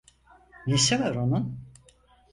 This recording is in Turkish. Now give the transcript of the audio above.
Nesi var onun?